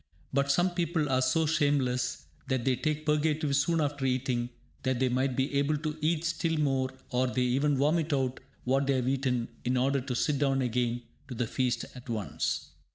But some people are so shameless that they take purgatives soon after eating, that they might be able to eat still more or they even vomit out what they have eaten in order to sit down again to the feast at once!